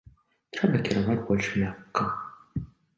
Трэба кіраваць больш мякка.